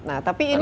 nah tapi ini